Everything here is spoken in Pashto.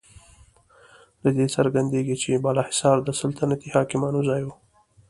له دې څرګندیږي چې بالاحصار د سلطنتي حاکمانو ځای و.